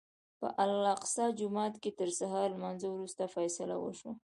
په الاقصی جومات کې تر سهار لمانځه وروسته فیصله وشوه.